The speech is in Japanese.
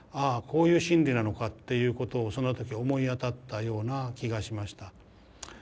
あこういう心理なのかっていうことをその時思い当たったような気がしました。